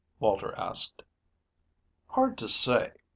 Walter asked. "Hard to say.